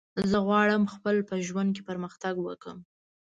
زه غواړم خپل په ژوند کی پرمختګ وکړم